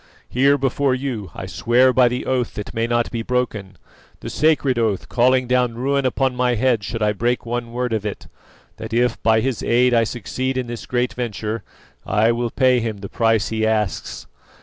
Here before you I swear by the oath that may not be broken the sacred oath, calling down ruin upon my head should I break one word of it that if by his aid I succeed in this great venture, I will pay him the price he asks.